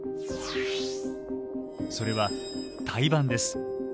それは胎盤です。